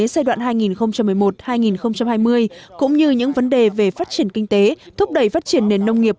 giai đoạn hai nghìn một mươi một hai nghìn hai mươi cũng như những vấn đề về phát triển kinh tế thúc đẩy phát triển nền nông nghiệp